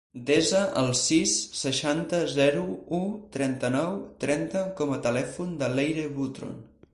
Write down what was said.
Desa el sis, seixanta, zero, u, trenta-nou, trenta com a telèfon de l'Eire Butron.